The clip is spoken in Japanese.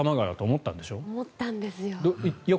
思ったんですよ。